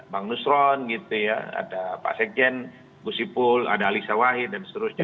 bang nusron gitu ya ada pak sekjen gusipul ada alisa wahid dan seterusnya